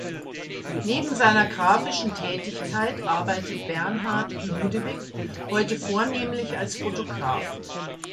Neben seiner grafischen Tätigkeit arbeitet Bernhard Ludewig heute vornehmlich als Fotograf.